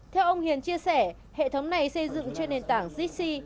theo ông hiền chia sẻ hệ thống này xây dựng trên nền tảng zc